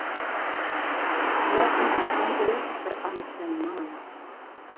ھاياتىمدا سەن گويا، بىر ئانىسەن ماڭىلا.